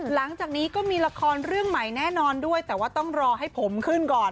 หลังจากนี้ก็มีละครเรื่องใหม่แน่นอนด้วยแต่ว่าต้องรอให้ผมขึ้นก่อน